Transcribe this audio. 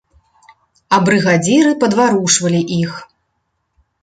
А брыгадзіры падварушвалі іх.